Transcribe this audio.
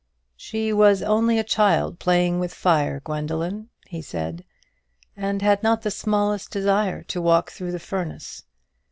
"She was only a child playing with fire, Gwendoline," he said; "and had not the smallest desire to walk through the furnace.